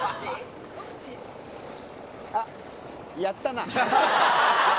あっ、やったな。